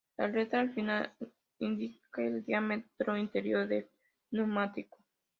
La letra al final indica el diámetro interior del neumático.